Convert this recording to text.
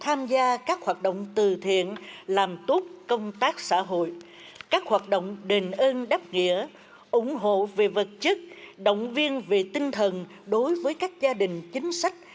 tham gia các hoạt động từ thiện làm tốt công tác xã hội các hoạt động đền ơn đáp nghĩa ủng hộ về vật chất động viên về tinh thần đối với các gia đình chính sách